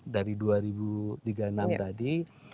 dari dua ribu tiga puluh enam tadi